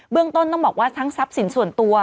เรื่องต้นต้องบอกว่าทั้งทรัพย์สินส่วนตัว